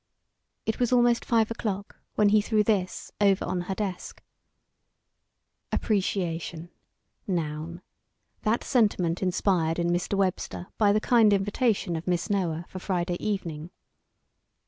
It was almost five o'clock when he threw this over on her desk: "AP PRE CI A TION, n. That sentiment inspired in Mr. Webster by the kind invitation of Miss Noah for Friday evening.